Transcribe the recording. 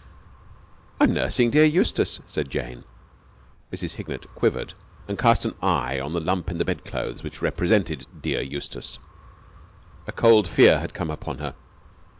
"I'm nursing dear Eustace," said Jane. Mrs. Hignett quivered, and cast an eye on the hump in the bed clothes which represented dear Eustace. A cold fear had come upon her.